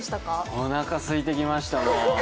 おなかすいてきました。